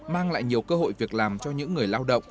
mang lại nhiều cơ hội việc làm cho những người lao động